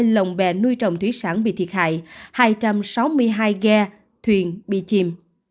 hai năm trăm chín mươi hai lòng bẹ nuôi trồng thủy sản bị thiệt hại hai trăm sáu mươi hai ghe thuyền bị chìm